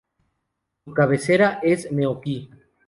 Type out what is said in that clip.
Su cabecera es Meoqui.